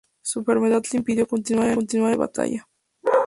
Su enfermedad le impidió continuar en el campo de batalla.